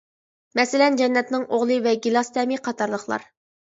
مەسىلەن، «جەننەتنىڭ ئوغلى» ۋە «گىلاس تەمى» قاتارلىقلار.